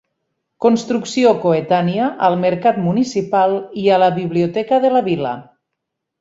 Construcció coetània al mercat municipal i a la biblioteca de la vila.